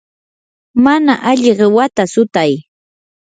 mana alli qiwata sutay.